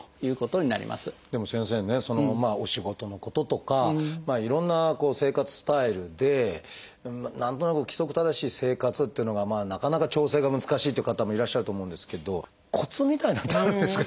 でも先生ねお仕事のこととかいろんな生活スタイルで何となく規則正しい生活っていうのがなかなか調整が難しいっていう方もいらっしゃると思うんですけどコツみたいなのってあるんですかね？